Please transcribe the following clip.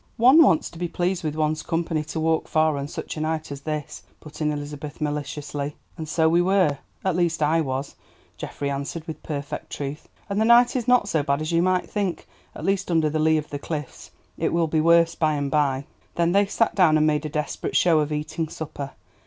"One wants to be pleased with one's company to walk far on such a night as this," put in Elizabeth maliciously. "And so we were—at least I was," Geoffrey answered with perfect truth, "and the night is not so bad as you might think, at least under the lee of the cliffs. It will be worse by and by!" Then they sat down and made a desperate show of eating supper.